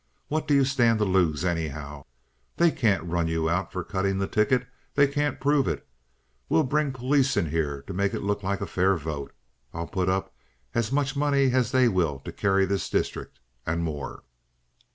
What do you stand to lose, anyhow? They can't run you out for cutting the ticket. They can't prove it. We'll bring police in here to make it look like a fair vote. I'll put up as much money as they will to carry this district, and more."